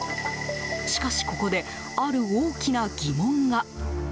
しかし、ここである大きな疑問が。